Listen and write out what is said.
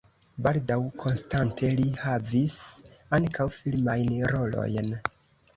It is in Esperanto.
Baldaŭ konstante li havis ankaŭ filmajn rolojn.